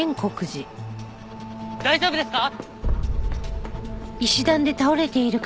大丈夫ですか？